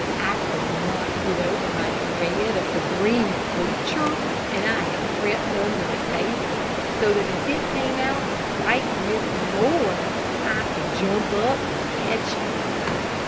I could not get over my dread of the green creature, and I had crept under the table, so that if it came out and frightened Miss Laura, I could jump up and catch it.